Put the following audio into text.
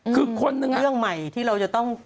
คือเครื่องใหม่ที่เราต้อง